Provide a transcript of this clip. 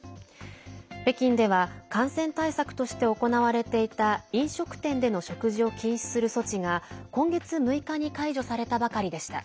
北京では感染対策として行われていた飲食店での食事を禁止する措置が今月６日に解除されたばかりでした。